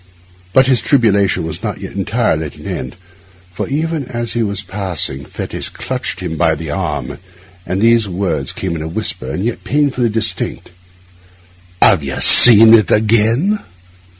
But his tribulation was not yet entirely at an end, for even as he was passing Fettes clutched him by the arm and these words came in a whisper, and yet painfully distinct, 'Have you seen it again?